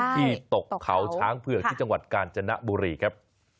ที่ตกเขาช้างเผือกที่จังหวัดกาญจนบุรีครับ